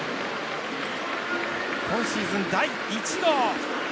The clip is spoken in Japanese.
今シーズン、第１号。